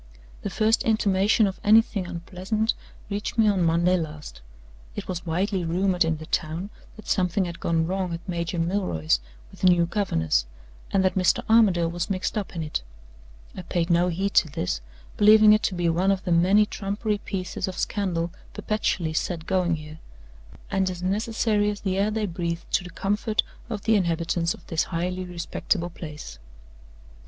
"The first intimation of anything unpleasant reached me on Monday last. It was widely rumored in the town that something had gone wrong at Major Milroy's with the new governess, and that Mr. Armadale was mixed up in it. I paid no heed to this, believing it to be one of the many trumpery pieces of scandal perpetually set going here, and as necessary as the air they breathe to the comfort of the inhabitants of this highly respectable place.